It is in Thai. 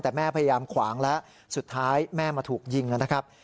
แต่แม่พยายามขวางแล้วสุดท้ายแม่มาถูกยิงนะครับ